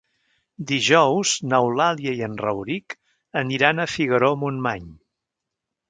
Dijous n'Eulàlia i en Rauric aniran a Figaró-Montmany.